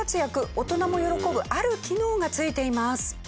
大人も喜ぶある機能がついています。